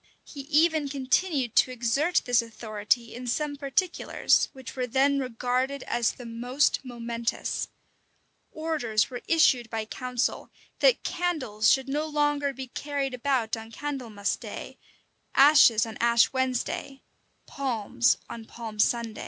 He even continued to exert this authority in some particulars, which were then regarded as the most momentous. Orders were issued by council, that candles should no longer be carried about on Candlemas day, ashes on Ash Wednesday, palms on Palm Sunday.